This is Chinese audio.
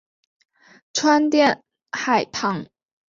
川滇海棠